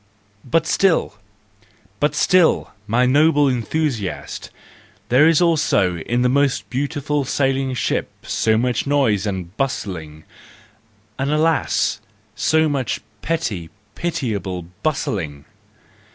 But still! But still! My noble enthusiast, there is also in the most beautiful sailing ship so much noise and bustling, and alas, so much petty, piti¬ able bustling!